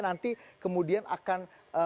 nanti kemudian akan